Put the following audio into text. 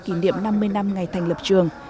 kỷ niệm năm mươi năm ngày thành lập trường